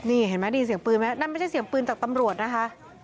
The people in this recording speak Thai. นี่เห็นไหมได้ยินเสียงปืนไหมนั่นไม่ใช่เสียงปืนจากตำรวจนะคะ